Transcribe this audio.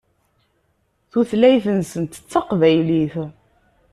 Tutlayt-nsent d taqbaylit.